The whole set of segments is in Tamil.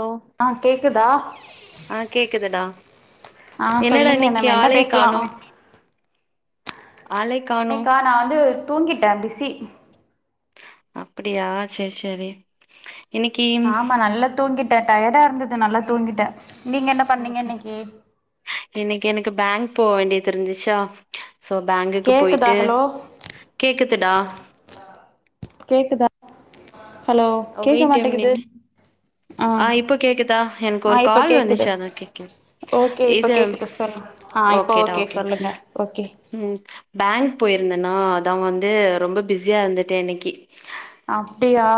ஓஹ ஆ கேக்குதா ஆஹ் கேக்குதுடா ஆ என்னடா சொல்லுங்க இனக்கி நம்ம என்ன ஆளைய பேசலா காணும் இன்னைக்கா நான் வந்து தூங்கிட்ட பிசி அப்படியா சேரி சேரி இன்னைக்கு ஆமா நல்லா தூங்கிட் டயர்டா இருந்தது நல்லா தூங்கிட்டேன் ஓகே இன்னைக்கு எனக்கு பேங்க் போக வேண்டிய திரிஞ்சிச்சா சோ பேங்குக்கு கேக்குதா போயிட்டு ஹலோ கேக்கு டா கேக்குதா ஹலோ கேட்க மாட்டேங்கிது ஆஹ் இப்போ கேக்குதா எனக்கு ஒரு இப்ப கால் கேக்குது வந்துச்சு அதான் கேக்கல ஓகே இப்ப இது கேக்குது சொல்லு ஆ இப்ப ஓகேடா ஓகே சொல்லுங்க ஓகே ம் பேங்க் போயிருந்த இருந்தனா அதான் வந்து ரொம்ப பிஸியா இருந்துட்டேன் இன்னைக்கு அப்படியா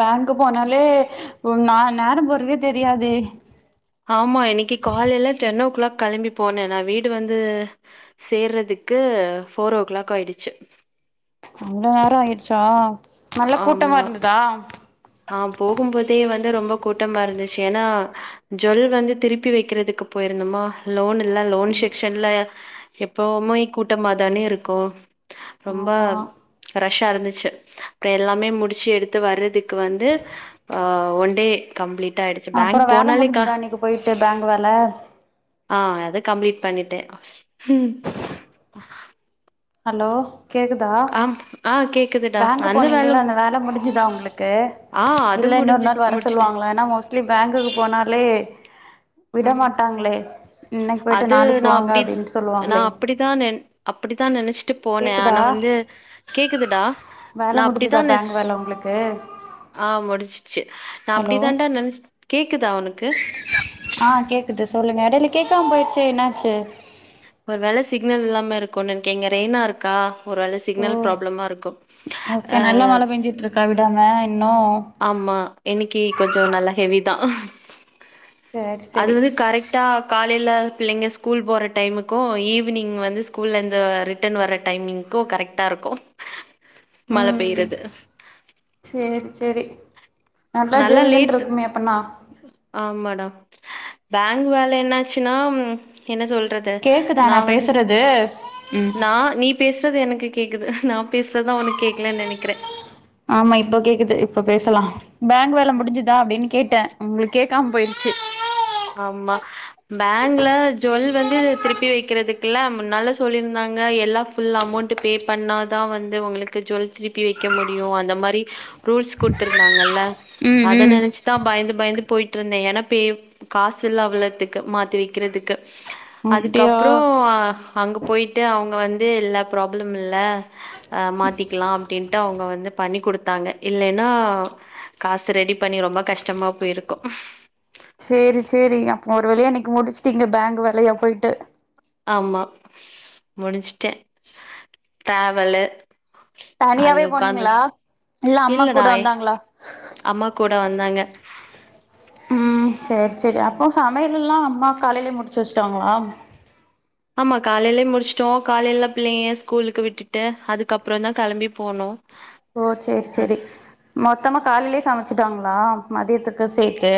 பேங்க்கு போனாலே ஒர் நான் நேரம் பொறதே தெரியாதே ஆமா இன்னைக்கு காலையில டென் ஓ கிளாக் கிளம்பி போனேன் நான் வீடு வந்து சேர்றதுக்கு போஃர் ஓ கிளாக் ஆயிடுச்சு அங்க நேரம் ஆயிடுச்சா நல்ல கூட்டமா ஆமா இருந்ததா ஆஹ் நா போகும்போதே வந்து ரொம்ப கூட்டமா இருந்துச்சு ஏன்னா ஜுவல் வந்து திருப்பி வைக்கிறதுக்கு போயிருந்தமா லோனு எல்லாம் லோன் செக்க்ஷன்ல எப்பவுமய் கூட்டமா தானே இருக்கும் ரொம்ப ஆமா ரஷ்ஆ இருந்துச்சு ச்சா அப்புறம் எல்லாமே முடிச்சு எடுத்து வறதுக்கு வந்து ஒன்று டே கம்ப்ளீட் ஆயிடுச்சு. பேங்க் அப்புறம் வேற போனாலே க முடிஞ்சதான் பஸ்கா இன்னைக்கு போயிட்டு பேங்க் வேலை ஆஹ் அதது கம்ப்ளீட் பண்ணிட்டேன் ஹலோ கேக்குதா ஆம் ஆ கேக்குதுடா பேங்கு அந்த வேல போனிங்களல்ல அந்த வேலை முடிஞ்சுதா உங்க க்கு ஆ அது இல்லை இன்னொரு முடிஞ்சு நாள் வர முடிச்சுட்டு சொல்லுவாங்களாம் ஏன்னா மோஸ்லி பேங்க்குக்கு போனாலே விட ம் மாட்டாங்களே இன்னைக்கு போயிட்டு அது நாளைக்கு நான் வாங்க அப்படி அப்டின்னு சொல்லுவாங்களே நான் அப்படிதான் ந அப்படிதான் ந விட்டு போனேன் கேக்குதா ஆனா வந்து கேக்குதுடா வேல நான் முடிஞ்சுதா அப்படித்தான பேங்க் வேல உங்களுக்கு ஆஹ் முடிஞச்சிச்சு நான் அப்படி ஹலோ தானடா நினச்ச கேக்குதா உனக்கு கேக்கமே போய்ச்ச என்னச்ச ஒரு வேலை சிக்னல் இல்லாம இருக்கும் நினைக்கிறேன் எங்க ரெயினனா இருக்கா ஒரு வேள ஓ சிக்னல் ப்ராப்ளமா இருக்கு ஆ ஓகே நல்லா மழ பேஞ்சுட்ருக்கா விடாம இன்னு ஆமா இன்னைக்கி கொஞ்சோ நல்லா ஹெவிதா சேரி அது சேரி வந்து கரெக்டா காலைல பிள்ளைங்க ஸ்கூல் போற டைமுக்கு ஈவினிங் வந்து ஸ்கூல்ல இருந்து ரிட்டன் வர டைமிங்க்கு கரெக்டா இருக்கு மழ ம் பெய்யறது சேரி சேரி நல்லா ஜில்லுன்னு லேசு இருக்குமே அப்பன்னா ஆமாடா பேங்க் வேல என்ன ஆச்சுன்னா என்ன சொல் றது கேக்குதா நா வந் பேசுறது ம் நா நீ பேசுறது எனக்கு கேக் குது நா பேசுறதுதா உனக்கு கேக்கலன்னு நெனைக்கிறே ஆமா இப்ப கேக்குது இப்ப பேசலா பேங்க் வேல ம் முடிஞ்சுதா அப்டின் கேட்டே உங்களுக்கு கேக்காம போயிருச்சு ஆமா பேங்க்ல ஜுவல் வந்து திருப்பி வைக்கிறதுக்கல்லா முன்னால சொல்லிருந்தாங்க எல்லா ஃபுல் அமௌண்ட்டு பே பண்ணாதா வந்து உங்களுக்கு ஜுவல் திருப்பி வைக்க முடியு அந்த மாரி ரூல்ஸ் குடுத்துருந்தாங்கல்ல ம் அத ம் நெனைச்சுதா பயந்து பயந்து போயி ட்ருந்தே ஏன்னா பே காசு இல்ல அவ்ளத்துக்கு மாத்தி வைக்கிறதுக்கு அப்டியா அதுக்கப்றோ அங்க போயிட்டு அவங்க வந் இது இல்ல ப்ராப்ளம் இல்ல ஆ மாத்திக்கலா அப்டின்ட்டு அவங்க வந் து பண்ணி குடுத்தாங்க இல்லைன்னா காசு ரெடி பண்ணி ரொம்ப கஷ்டமா போயிருக்கு சேரி சேரிங்க அப்போ ஒரு வழியா இன்னக்கி முடிச்சுட்டீங்க பேங்க் வேலையா போயிட்டு ஆமா முடிச்சுட்டே ட்ராவலு தனியாவே போனீங்களா இல்ல அம்மா இல்லடா கூட வந்தாங்களா? அம்மா கூட வந்தாங்க ம் சேரி சரி அப்போ சமையல் எல்லா அம்மா காலைலயே முடிச்சு வச்சுட்டாங்களா? ஆமா காலைலயே முடிச்சட்டோ காலைல பிள்ளைங்க ஸ்கூலுக்கு விட்டுட்டு அதுக்கப்புறோந்தா கெளம்பி போனோ ஓ சேரி அது சேரி மொத்தமா காலைலயே சமைச்சு ட்டாங்களா மதியத்துக்கு சேத்து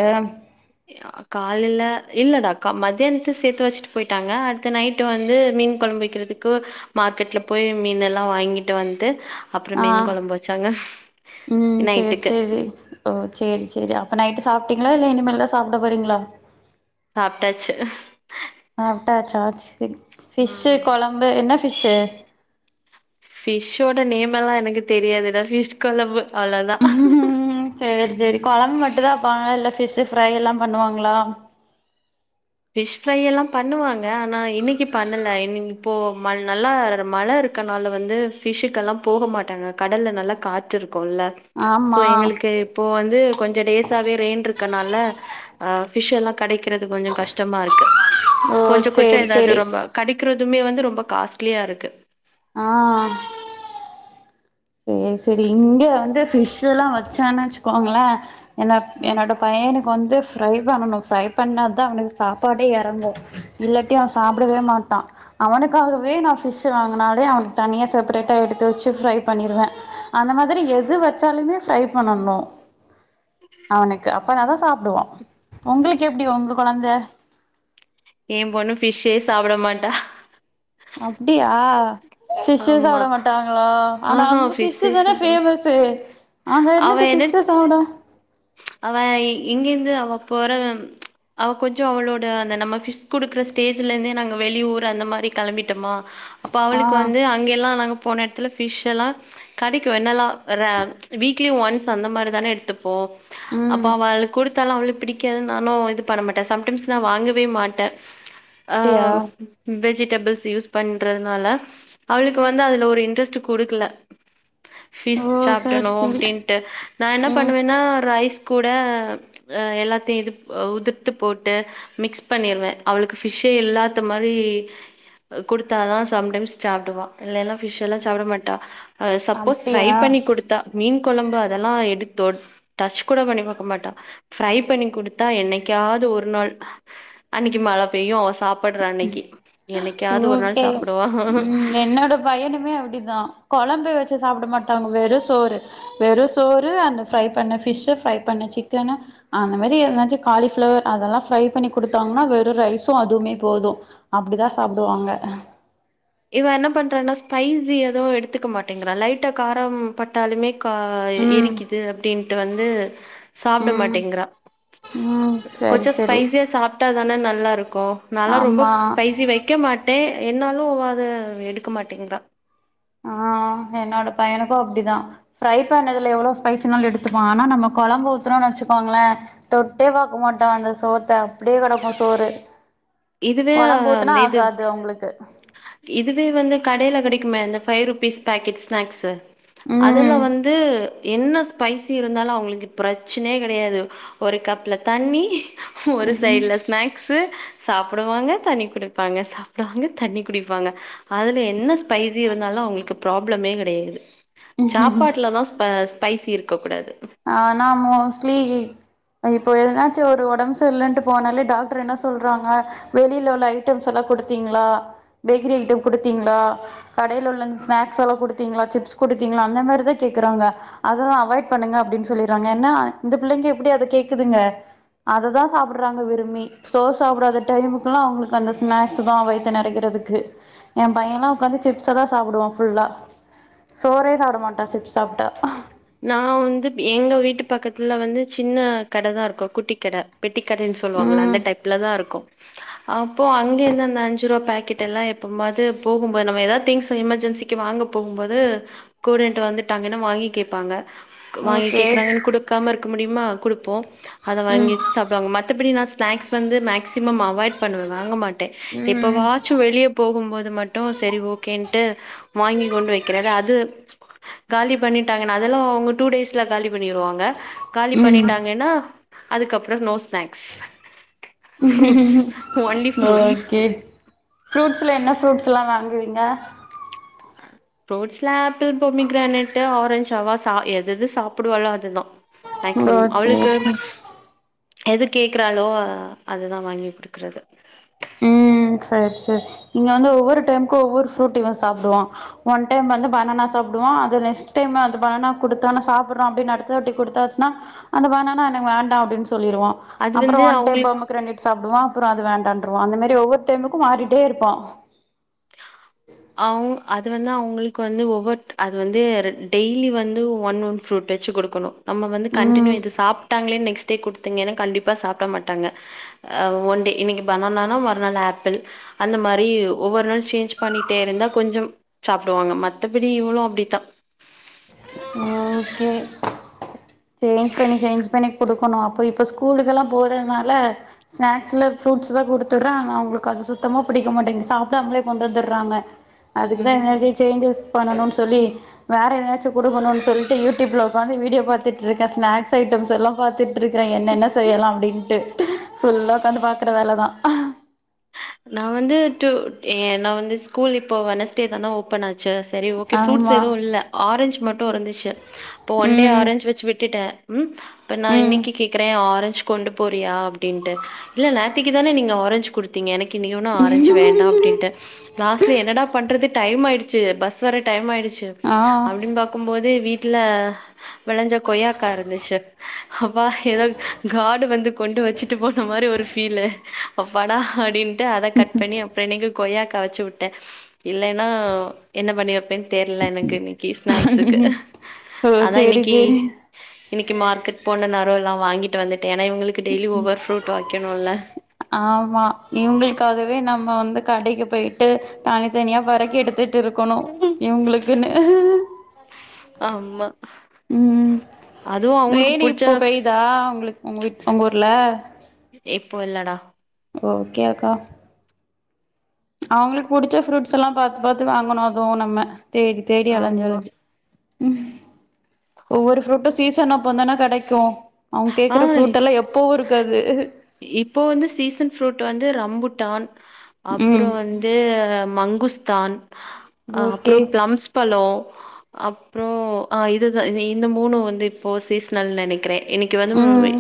யா காலைல இல்லடா கா மத்தியானத்து சேத்து வச்சுட்டு போயிட்டாங்க அடுத்து நைட்டு வந்து மீன் கொழம்பு வக்கிறதுக்கு மார்க்கெட்ல போய் மீன் எல்லா வாங்கிட்டு வந்ட்டு ஆ ம் சேரி நைட்டுக்கு சேரி ஓ சேரி சேரி அப்ப நைட்டு சாப்ட்டீங்களா இல்ல இனிமேல்தா சாப்ட போறீங்களா? சாப்ட்டாச்சு சாப்ட்டாச்சா செரி ந்பிஷ்ஷு ம் கொழம்பு என்ன ஃபிஷ்ஷு? பபிஷோட நேம் எல்லாம் எனக்கு தெரியாதுடா பிஷ் குழம்பு உம் சரி சரி குழம்பு இட்டுதான்ப்பாங்க இல்ல பபிஷ் ஃப்ரை எல்லாம் பண்ணுவாங்களா பபிஷ் ஃப்ரை எல்லாம் பண்ணுவாங்க ஆனா இன்னைக்கு பண்ணல இன் இப்போ நல்லா மழை இருக்கனால வந்து பபிஷ்க்குெல்லாம் போக மாட்டாங்க கடல்ல நல்லா காற்றுருக்கும் போல்ல சோ ஆமா எங்களுக்கு இப்போ வந்து கொஞ்சம் டேஸாவவே ரெயின் இருக்கு இருக்கனால் பிஷ் எல்லாம் கிடைக்கறிறது கொஞ்சம் கஷ்டம் கஷ்டமா இருக்கு ஓ கொஞ்சம் கொஞ்சம் சேரி ஏதாவது சேரி ரொம்ப கடைக்க இருக்கதுமே வந்து ரொம்ப காஸ்ட்லியா இருக்கு ஆஹ் சரி சரி இங்க வந்து பிஷ் எல்லாம் வச்சானனு வச்சுக்கோங்களேன் என்ன ம் என்னோட பையனுக்கு வந்து ஃரை பண்ணனும் ஃப்ரை பண்ணா தான் அவனுக்கு சாப்பாடே இறங்கும் இல்லாட்டிும் அவன் சாப்பிடவே மாட்டான் அவனுக்காகவே நான் பிஷ்் வாங்கினனாலே அவனுக்கு தனியா செப்பரேட்டா எடுத்து வச்சு ஃரை பண்ணிருவேன் அந்த மாதிரி எது வச்சாலுமே ஃரை பண்ணணும் அவனுக்கு அ அப்ப நாதான் சாப்பிடுவோம் உங்களுக்கு எப்படி உங்க குழந்தை ஏன் பொண்ணும் பபிஷ்சே சாப்பிட மாட்டா அப்படியா பபிஷ் ஆமா சாப்பட மாட்டாங்களா ஆனா ஆஹா அங்க பிஷு ஃபிஷ்ஷே தானே சாப்ட மாட் பேமஸ் அவ ஆஹ்ங்கந்துட்டு என்ன பிஷஸ் அட இங்க இருந்து அவ போற அவள் கொஞ்சம் அவளோட அந்த நம்மி குடுக்குற ஸ்டேஜ்ல இருந்தே நாங்க வெளியூஊர் அந்த மாதிரி கிளம்பிட்டோமா அப்ப அவளுக்கு ஆ வந்து அங்க எல்லாம் நாங்க போன இடத்துல பபிஷ் எல்லாம் கிடைக்கும் என்னெல்லாம் ராவ் வீக்லி ஒன்ஸ் அந்த மாதிரி தானே எடுத்துப்போம் அப்ப ம் அவளுக்கு கொடுத்து அவ்ளவு பிடிக்காது நானும் இது பண்ண மாட்டேன் சம்டைம்ஸ் நான் வாங்கவே மாட்டேன் அப்டியா அஹ்வெஜ் வெஜ்ஜுடெபில்ஸ்யூஸ் பண்றதுனால அவளுக்கு வந்து அதுல ஒரு இன்ட்ரெஸ்ட் குடுக்கல ஓ ஃபிஸ் ச சரி னும் சரி அப்படின்ட்டு நான் என்ன ம் பண்ணுவேன்னா ரைஸ் கூட அ எல்லாத்தையு இது உதிர்த்து போட்டு மிக்ஸ் பண்ணிருவே அவளுக்கு பிஷ்ஷே இல்லாத்த மாரி் கொடுத்தாதா சம்டைம்ஸ் சாப்பிடுவா இல்லனா பிஷ் எல்லா சாப்பட மாட்டா அ சப்போஸ் ஃப்ரை அப்டியா பண்ணி கொடுத் மீன் கொழம்பு அதெல்லா எடுடத்தொ டச்கூட பண்ணி பக்க மாட்ட ப்ரைபண்ணிகுடுத்தா எனிக்காது ஒரு நாள் அன்னைக்கு மழபெய்யும் அவ சாப்பட்ற அன்னைக்கு என்னைக்காவது ஒரு நாள் ஓகே சாப்டுவா ம் என்னோட பையனுமே அப்பிடிதா கொழம்புவச் சாப்பிட மாட்டாங்க வெறு சோறு வெறு சோறு அந்த ஃப்ரை பண்ண பிஷ்ஷு ப்ரை பண்ண சிக்கனு அந்மேரி எதாச்சு காளிப்பிளவர் அதெல்லா ப்ரை பண்ணி கொடுத்தங்கன வெறு ரைசும்அதுவுமே போது அப்பிடிதா சாப்புடுவாங்க இவ என்ன பண்றன்னா ஸ்பைசி எதவு எடுத்துக்க மாட்டேங்கறா லைட்டா காரம்பட்டாலுமே கா ம் எரிக்குது அப்பிடின் ட்டு வந்து சாப்பிட ம் மாட்டேங்கிறா ம் சரி கொஞ்சோ சரி ஸ்பைசியா சாப்பிட்டாதானே நல்லா இருக்கு நல்லா ரொம்ப ஆமா ஸ்பைசி வைக்கமாட்டேன் என்னாலும் வா த்து எடுக்கமாட்டீங்கறா ஆ என்னோட பையனுக்கு அப்படிதா ஃப்ரைசாண்ணதுல எவ்வளோ ஸ்பைசினால எடுத்துப்பஆனா நம்ம குழம்பு ஊத்துணோம்னு வச்சுக்கோங்களே தொட்டே பாக்கேமாட்டா அந்த சோத்த அப்பிடியே கெடக்கு சோறு இதுவே கொழம்பூத்துனா அந்த இது ஆகாது உங்களுக்கு இதுவே வந்து கடையில கிடைக்குமே இந்த பஃபைவ் ருபீஸ் பாக்கெட் ஸ்நாக்ஸு அதுல ம் வந்து என்ன ஸ்பைசி இருந்தாலு அவங்களுக்கு பிரச்சனையே கெடையாது ஒரு கப்ல தண்ணி ஒரு சைடுல ஸ்நாக்ஸ் து சாப்புடுவாங்க தண்ணி குடுப்பாங்க சாப்புடுவாங்க தண்ணி குடிப்பாங்க அதுல என்ன ஸ்பைஸ் ப்டி இருந்தாலு அவங்களுக்கு ப்ராப்ளமே கெடையாது சாப்பாட்டுல தா ஸ்பாஸ் பைசி இருக்கூடாது ஸ்டிலி இப்பாஎதனாச்சும் ஒரு உடம்புசர்ல இல்லட்டு போனாலே டாக்டர் என்ன சொல்றாங்க வெளியில உள்ள ஐட்டம்ஸ் எல்லா கொடுத்தீங்களா பேக்கரி ஐட்டம் குடுத்தீங்கலா கடைல உள்ள ஸ்நாக்ஸ் எல்லாகொடுத்தீங்களா சிப்ஸ் குடுத்தீங்களா அந்த மாரிதாகேக்குறாங்க அதெல்லா அவாய்ட் பண்ணுங்க அப்பிடின்னு சொல்லிருவாங்க என்ன இந்த பிள்ளைங்க எப்பிடி அத கேக்குதுங்க அததா சாப்பிடுறாங்க விரும்பி சோறு சாப்பிடாத டைமுக்குல்லா அவங்களுக்கு அந்த ஸ்நாக்ஸ் தா வைத்த நெறைக்கிறதுக்கு என் பையன்ல்லா உ்காந்து சிப்ஸ் தா சாப்பிடுவான் ஃபுல்லா சோறே சாப்படமாட்டா சிப்ஸ் சாப்ட்டா நா வந்து எங்க வீட்டு பக்கத்துல வந்து சின்னகடதா இருக்கு குட்டிகட பெட் ட்டி கடன்னு சொல்லுவாங்கள ம் அந்த டைப்லதா இருக்கு அப்போ அங்கிருந்து அந்த அஞ்சு ரூபா பேக்கெட் எல்லா எப்பும்பாது போகுபோ நம்ம ஏதாவது திங்ஸ் எமர்ஜென்சிக்கு வாங்க போகுபோது கூடட்டு வந்துட்டாங்கன்னா வாங்கி கே ப்பாங்க வாங்கி ஓகே கேக்குறாங்கன்னு குடுக்காம இருக்க முடியு ம்மா குடுப்போ அத ம் வாங்கிவச்சி சாப்பிடுவாங்க மத்தபடினா ஸ்நாக்ஸ் வந்து மேக்சிமம் அவாய்ட் பண்ணுவன் வாங்க மாட்டன் இப்போ ம் வாச்சு வெளியே போகும் போது மட்டும் சரி ஓகேன்ட்டு வாங்க் கொண்டு வைக்கிறது அது காலி பண்ணிட்டு அதெல்லாம்ங்க டூ டேல காலி பண்ணிடுவாங்க காலி ம் பண்ணிட்டாங்கன்னா அதுக்கப்புறம் no snacks fruits only fruits okay fruits ல என்ன ஃப்ரூட்ஸ்லாம் வாங்குவீங்க ரோட்ஸ்லாப்பிள் பொமி கிரானேட்டு் ஆரஞ்சாவா எது எது சாப்பிடுவாலோ அதுதான் ஓ மேக்சிமம் சேரி அவளுக்கு சேரி எது கேக்குறாலோ அதுதான் வாங்கி குடுக்குறது ஹம் சரி சரி நீங்க வந்து ஒவ்வொரு டைமுக்கும் ஒவ்வொரு ஃப்ரூட் இவன் சாப்பிடுவான் ஒன் டைம் வந்து பனானா சாிடுவான் அது நெக்ஸ்ட் டைம் அந்த பனானா கொடுத்தானா சாப்பிடுற அப்படனு அடுத்த வாட்டி கொடுத்தாச்சுா அந்த பனானா எனக்கு வேண்டாம் அப்படின்னு சொல்லிடுவோம் அது அப்புறம் வந்து ஒன் டைம் அவங்களுக்கு பொமகிரேணட் சாப்பிடுவோம் போறாது வேண்டாம் வ அந்த மாதிரி ஒவ்வொரு டைமுக்கும் மாறிட்டே இருப்பான் அவ அது வந்து அவங்களுக்கு வந்து ஒவ்வொரு அது வந்து டெய்லி வந்து ஒன் ஒன் ஃரூட் வச்சு கொடுக்கணும் நம்ம வந்து கன்டினியூ ம் இது சாப்பிட்டாங்களே நெக்ஸ்ட் டே குடுத்துதிங்கன கண்டிப்பா சாப்பிட மாட்டாங்க ஒன்டே இன்னைக்கு பணாண மறுநாள் ஆப்பிள் அந்த மாறி ஒவ்வொரு நாள் சேஞ் பண்னி ட்டே இருந்தா கொஞ்சம் சாப்பிடுவாங்க மத்தபடி இவ்ளும் அப்படித்தான் ஓகே சேஞ்ச் பண்ணி சேஞ்ச் பண்ணி குடுக்கணும் அப்ப இப்ப ஸ்கூலுக்குெல்லாம் போறதுனால ஸ்நாக்ஸ்ல ஃப்ரூட்ஸ் தான் குடுத்துடுறாங்க ஆனா அவங்களுக்கு அது சுத்தமா பிடிக்க மாட்டேங்க சாப்பிடாமலே கொண்டு வந்துடுறாங்க அதுக்கு தான் என்ன சேஞ்சஸ் பண்ணணும்னு சொல்லி வேற நேச்சு கொடுக்கணும்னு சொல்லி யூடியூப்ல ப்ப வீடியோ பாத்துட்டு இருக்கன் ஸ்நாக்ஸ் ஐட்டம்ஸ் எல்லாம் பாார்த்தட்டு இருக்கிறேன் என்ன என்ன ம் செய்யலாம் அப்படின்ட்டு ஃபுல்லா உட்காந்து பாக்குற வேலைதான் நான் வந்து ந வந்து ஸ்கூல் இப்போ வனஸ்டே தானா ஓப்பன் ஆச்சி சரி ஓகே ரூட்ஸ் ஆமா எதுவும் இல்ல ஆரஞ்ச் மட்டும் இருந்துச்சு ஒன் டே ம் ஆரஞ்ச் வச்சு விட்டுட்டேன் உம் இப்ப நான் ம் இன்னைக்கு கேக்குறேன் ஆரஞ்சு கொண்டு போறியா அப்படின்ட்டு இல்ல நேத்திக்கு தானே நீங்க ஆரஞ்சு குடுத்து ங்க எனக்கு நீ ஒன்னும் ஆரஞ்சு வேண்டாம் அப்படின் லாஸ்ட்ல என்னடா பண்றது டைம் ஆயிட்டு பஸ் வர டைம் ஆயிச்சு ஆ அப்படின்னு பாக்கும்போது வீட்டுல வெளஞ்ச கொய்யாக்கா இருந்துச்சு. அப்பா ஏதோ காடு வந்து கொண்டு வச்சுட்டு போன மாரி ஒரு ஃபீலு அப்பாடா அப்டின் ட்டு அத கட் பண்ணி அப்றோ இன்னைக்கு கொய்யாக் கா வச்சு விட்டே இல்லைன்னா என்ன பண்ணிருப்பேன்னு தெர்ல எனக்கு இன்ன க்கி ஸ்நாக்ஸுக்கு ஓ அதா சேரி இன்னக்கி சேரி இன்னக்கி மார்கெட் போன நேரோ எல்லா வாங்கிட்டு வந்து ஏன்னா இவங்களுக்கு டெய்லி ஒவ்வொரு ஃப்ரூட் வைக்கணு இல்ல இவங்களுக்காகவே நம்ம வந்து கடைக்கு போயி்ட்டு தனித்தனியா பொறுக்கி எடுத்து ட்ருக்கணு இவுங்களுக்குன்னு ஆமா ம் ம் அதுவு அவங்களுக்கு ரெய்னு இப்ப புடிச்ச பெய்தா உங்களுக் உங்க வீட் உங்க ஊர்ல இப்ப இல்லடா ஓகேக்கா அவங்களுக்கு புடிச்ச ஃப்ரூட்ஸ் எல்லா பாத்து பாத்து வாங்கணு அதுவு நம்ம தேடி தேடி அலஞ்சு ஆமா அலஞ்சு ம் ஒவ்வொரு ஃப்ரூட்டு சீசனு அப்பந்தான கெடைக் கு அவங்க ஆ கேக்குற ஃப்ரூட் எல்லா எப்பவு இருக்காது இப்ப வந்து சீசன் ஃப்ரூட் வந்து ரம்புட்டான் அப்புறோ ம் வந்து மங்குஸ் த்தான் ஆ அப்புறோ ஓகே பிளம்ஸ் பழோ அப்றோ ஆ இதுதா இ இந்த மூணு வந்து இப்போ சீசனல்னு நெனைக்கிறே இன்னக்கி வந்து வெ ம்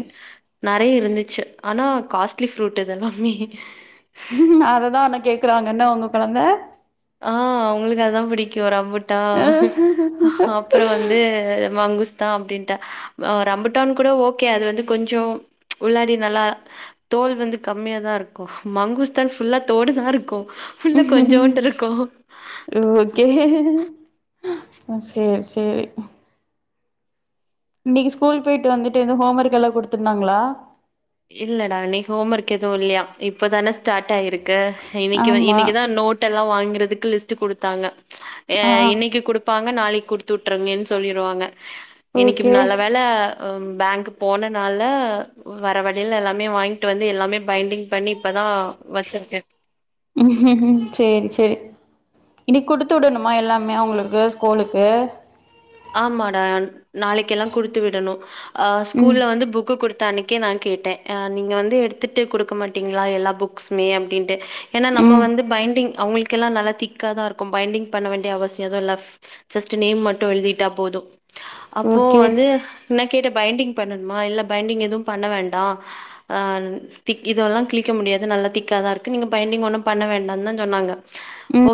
நெறைய இருந்துச்சு ஆனா காஸ்ட்லி ஃப்ரூட் இதெல்லாமே அததா உன்ன கேக்குறாங்க என்ன உங்க கொழந்த ஆ அவங்களுக்கு அதா பிடிக்கு ரம்புட் டா அப்புற வந்து மங்குஸ் ங்குஸ்தா அப்டின்ட்டே. ஆ ரம்புட்டான் கூட ஓகே அது வந்து கொஞ்சோ உள்ளாடி நல்லா தோல் வந்து கம்மியாதா இருக்கும் மங்குஸ்தான் ஃபுல்லா தோடுதா இருக்கு உள்ள கொஞ்சோண்டு இரு ஓகே ஆ சேரி சேரி இன்னக்கி ஸ்கூல் போயிட்டு வந்துட்டு எதுவு ஹோம் ஒர்க்கல்லா குடுத்துருந்தாங்களா? இல்லடா இன்னக்கி ஹோம் ஒர்க் எதுவு இல்லயா இப்பதான ஸ்டார்ட் ஆயிருக்கு இன்னக்கி வ ஆமா இன்னக்கிதா நோட் எல்லா வாங் கறதுக்கு லிஸ்ட்டு குடுத்தாங்க யா ஆ இன்னக்கி குடுப்பா ங்க நாளைக்கி குடுத்து விட்ருங்கன்னு சொல்லிருவாங்க. இன்னக்கி ஓகே நல்ல வேள ம் பேங்க் போனனால ஆ வர வழில எல்லாமே வாங்கிட்டு வந்து எல்லாமே பைண்டிங் பண்ணி இப்பதா வச்சிருக்கே சேரி சேரி இன்னக்கி குடுத்து விடணுமா எல்லாமே அவங்களுக்கு ஸ்கூலுக்கு ஆமாடா நாளக்கி எல்லா குடுத்து விடணு. ஆ ம் ஸ்கூல்ல வந்து புக்கு குடு த்த அன்னைக்கே நா கேட்டே ஆ நீங்க வந்து எடுத்துட்டு குடுக்க மாட்டீங்களா எல்லா புக்ஸுமே அப்டின்ட்டு ஏன்னா நம்ம ம் வந்து பைண்டிங் அவங்களுக்கெல்லா நல்லா திக்காதா இருக்கு. பைண்டிங் பண்ண வேண்டிய அவசியோ எது இல்ல. ஜஸ்ட் நேம் மட்டு எழுதி ட்டா போது அப்போ ஓகே வந்து நா கேட்டே பைண்டிங் பண்ணணுமா இல்ல பைண்டிங் எதுவு பண்ண வேண்டா. ஆ ன் திக் இதல்லா கிழிக்க முடியாது நல்லா திக்காதா இருக்கு. நீங்க பைண்டிங் ஒன்னு பண்ண வேண்டான்னுதா சொன்னாங்க ஓ ம்